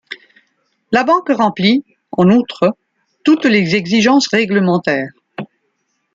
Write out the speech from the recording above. La banque remplit, en outre, toutes les exigences réglementaires.